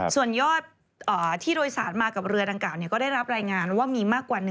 ส่วนยอดที่โดยสารมากับเรือดังกล่าก็ได้รับรายงานว่ามีมากกว่า